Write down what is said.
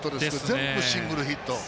全部、シングルヒット。